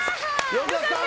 よかった！